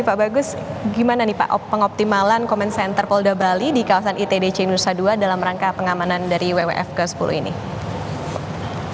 pak bagus gimana nih pak pengoptimalan comment center polda bali di kawasan itdc nusa dua dalam rangka pengamanan dari wwf ke sepuluh ini